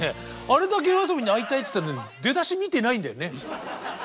あれだけＹＯＡＳＯＢＩに会いたいって言ってたのに出だし見てないんだよね。